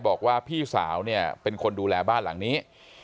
บอกว่าพี่สาวเนี่ยเป็นคนดูแลบ้านหลังนี้